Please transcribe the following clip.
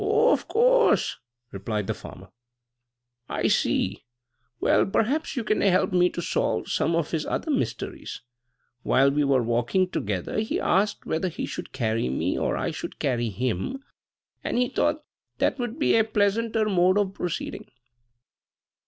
"Oh! of course," replied the farmer. "I see. Well perhaps you can help me to solve some of his other mysteries. While we were walking together he asked whether he should carry me or I should carry him, as he thought that would be a pleasanter mode of proceeding."